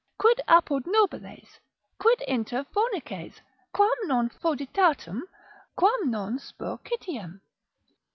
quid apud nobiles, quid inter fornices, quam non foeditatem, quam non spurcitiem?